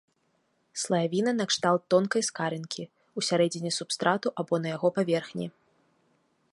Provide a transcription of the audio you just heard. Слаявіна накшталт тонкай скарынкі, усярэдзіне субстрату або на яго паверхні.